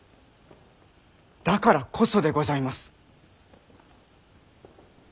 だからこそでございます。